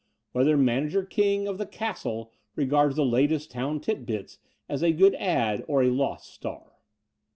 ... Whether Manager King of the "Castle" regards the latest Town Tit Bits as a good ad*' or a lost star